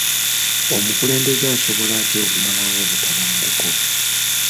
Omukulembeze asobola atya okumalawo obutabanguko?